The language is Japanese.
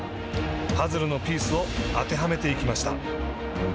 パズルのピースを当てはめていきました。